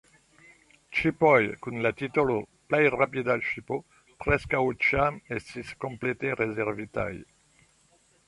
Ŝipoj kun la titolo "plej rapida ŝipo" preskaŭ ĉiam estis komplete rezervitaj.